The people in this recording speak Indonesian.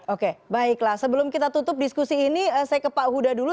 oke baiklah sebelum kita tutup diskusi ini saya ke pak huda dulu